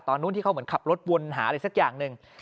นู้นที่เขาเหมือนขับรถวนหาอะไรสักอย่างหนึ่ง